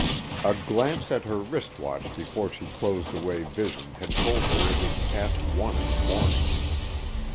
A glance at her wrist watch before she closed away vision had told her it was past one in the morning.